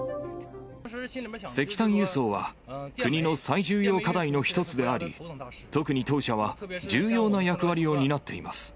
石炭輸送は、国の最重要課題の一つであり、特に当社は重要な役割を担っています。